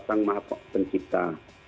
sang maha pencipta